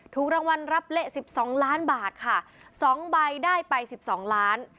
ถูกรางวัลรับเละสิบสองล้านบาทค่ะสองใบได้ไปสิบสองล้าน